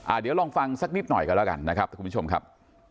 เดี๋ยวลองฟังสักนิดหน่อยกันแล้วกันนะครับคุณผู้ชมครับ